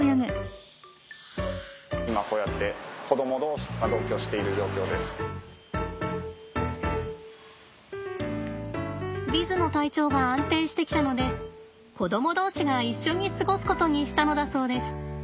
今こうやってヴィズの体調が安定してきたので子どもどうしが一緒に過ごすことにしたのだそうです。